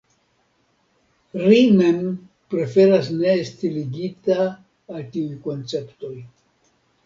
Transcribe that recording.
Ri mem preferas ne esti ligita al tiuj konceptoj.